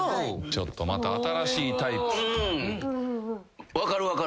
ちょっとまた新しいタイプ。